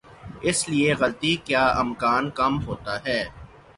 اس لیے غلطی کا امکان کم ہوتا ہے۔